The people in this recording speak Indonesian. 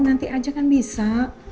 nanti aja kan bisa